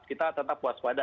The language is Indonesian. kita tetap puas pada